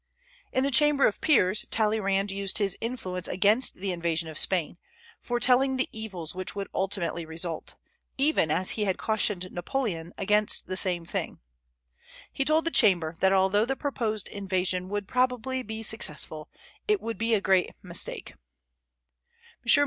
In the Chamber of Peers Talleyrand used his influence against the invasion of Spain, foretelling the evils which would ultimately result, even as he had cautioned Napoleon against the same thing. He told the chamber that although the proposed invasion would be probably successful, it would be a great mistake.